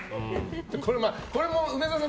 これも梅沢さん